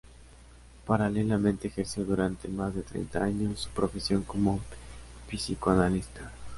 Paralelamente ejerció durante más de treinta años su profesión como psicoanalista.